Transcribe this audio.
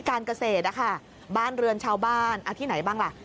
การเกษตรนะคะบ้านเรือนชาวบ้านที่ไหนบ้างล่ะ